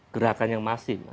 gerakan yang masing